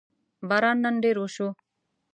باران نن ډېر وشو